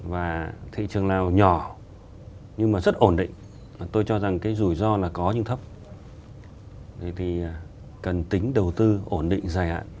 và thị trường nào nhỏ nhưng mà rất ổn định tôi cho rằng cái rủi ro là có nhưng thấp thì cần tính đầu tư ổn định dài hạn